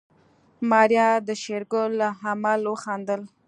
ماريا د شېرګل له عمل وخندل.